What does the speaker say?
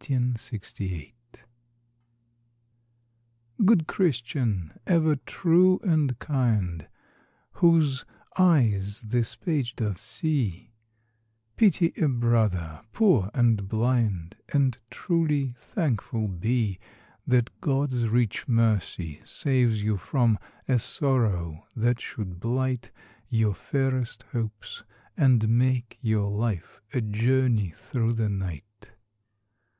••• Good Christian, ever true and kind, AVhoso eyes this page doth see, Pity a brother, poor and blind, And truly thankful be— That God's rieh mercy saves you from A sorrow that should blight Your fairest hopes and make your life A journey through the night.